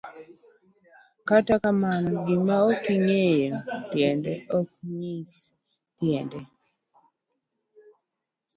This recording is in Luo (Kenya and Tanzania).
Kata kamano, gima okingeyo tiende ok ng'isi tiende.